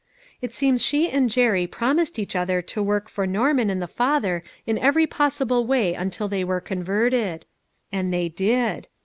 It seems she and Jerry promised each other to work for Norman and the father in every possi ble way until they were converted; and they did.